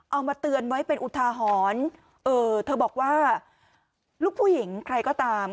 เอามาเตือนไว้เป็นอุทาหรณ์เออเธอบอกว่าลูกผู้หญิงใครก็ตาม